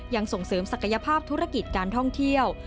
ส่งเสริมศักยภาพธุรกิจการท่องเที่ยว